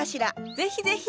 ぜひぜひ！